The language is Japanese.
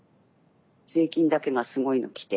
税金だけがすごいの来て。